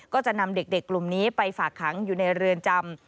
ก็จะนำเด็กกลุ่มนี้ไปฝากขังอยู่ในเรือนจำ